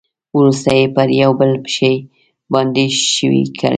ورسته یې پر یو بل شي باندې ښوي کړئ.